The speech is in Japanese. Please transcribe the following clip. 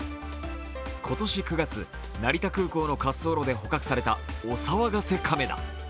今年９月、成田空港の滑走路で捕獲されたお騒がせ亀だ。